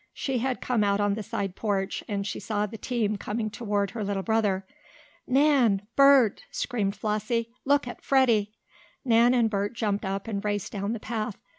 She had come out on the side porch, and she saw the team coming toward her little brother. "Nan! Bert!" screamed Flossie. "Look at Freddie!" Nan and Bert jumped up and raced down the path.